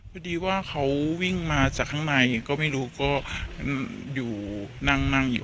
พอดีว่าเขาวิ่งมาจากข้างในก็ไม่รู้ก็อยู่นั่งนั่งอยู่